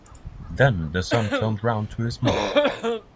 Then the son turned round to his mother.